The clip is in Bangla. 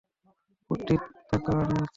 কুট্টি, থাকো, আমি আসছি।